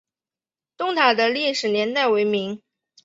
东塔的历史年代为明。